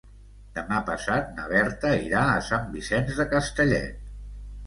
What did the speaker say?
Demà passat na Berta irà a Sant Vicenç de Castellet.